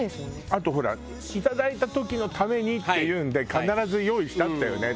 あとほらいただいた時のためにっていうんで必ず用意してあったよね